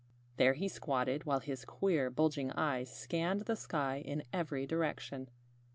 There he squatted, while his queer, bulging eyes scanned the sky in every direction.